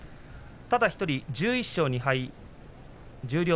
ただ１人、１１勝２敗十両